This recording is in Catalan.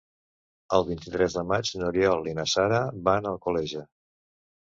El vint-i-tres de maig n'Oriol i na Sara van a Alcoleja.